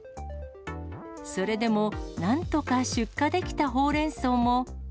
それでもなんとか出荷できたほうれんそうも。